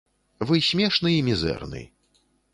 Вы смешны і мізэрны.